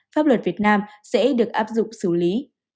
pháp luật việt nam sẽ được áp dụng xử lý